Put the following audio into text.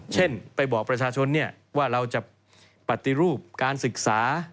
เช่นไปบอกประชาชนว่าเราจะปฏิรูปการศึกษา